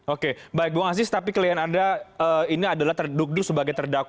oke baik bu ang aziz tapi kalian ada ini adalah terdugdu sebagai terdampak